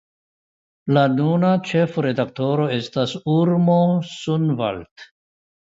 La nuna ĉefredaktoro estas Urmo Soonvald.